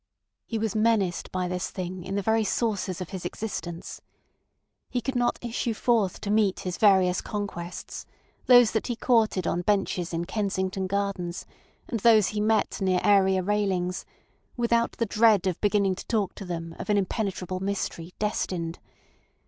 He was menaced by this thing in the very sources of his existence. He could not issue forth to meet his various conquests, those that he courted on benches in Kensington Gardens, and those he met near area railings, without the dread of beginning to talk to them of an impenetrable mystery destined.